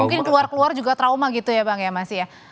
mungkin keluar keluar juga trauma gitu ya bang ya mas ya